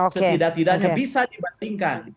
setidak tidaknya bisa dibandingkan